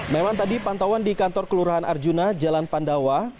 memang tadi pantauan di kantor kelurahan arjuna jalan pandawa